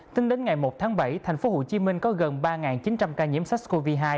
tính đến ngày một tháng bảy thành phố hồ chí minh có gần ba chín trăm linh ca nhiễm sars cov hai